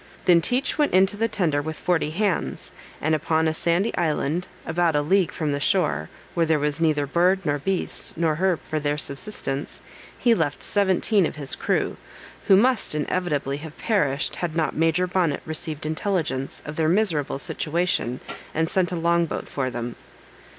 Then Teach went into the tender with forty hands, and upon a sandy island, about a league from shore, where there was neither bird no beast, nor herb for their subsistence, he left seventeen of his crew, who must inevitably have perished, had not Major Bonnet received intelligence of their miserable situation, and sent a long boat for them.